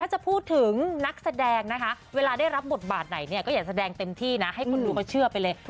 ถ้าจะพูดถึงนักแสดงนะคะเวลาได้รับบทบาทไหนเนี่ยก็อยากแสดงเต็มที่นะให้คนดูเขาเชื่อไปเลย